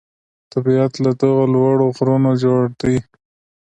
طبیعت له دغو لوړو غرونو جوړ دی.